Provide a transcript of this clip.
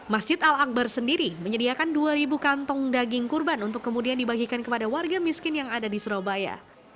masjid al akbar sendiri menyediakan dua ribu kantong daging kurban untuk kemudian dibagikan kepada warga miskin yang ada di surabaya